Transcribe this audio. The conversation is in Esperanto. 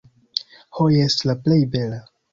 Ho jes, la plej bela.